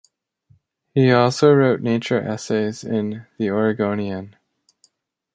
He also wrote nature essays in "The Oregonian".